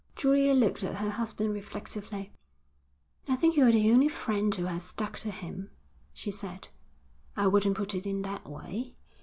Julia looked at her husband reflectively. 'I think you're the only friend who has stuck to him,' she said. 'I wouldn't put it in that way.